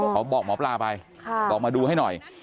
หมอปลาบอกหมอปลาไปบอกมาดูให้หน่อย